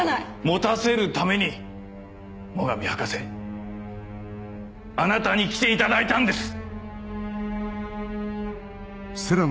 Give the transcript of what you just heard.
持たせるために最上博士あなたに来ていただいたんです！